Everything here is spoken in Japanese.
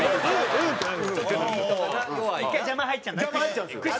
１回邪魔入っちゃうんだね。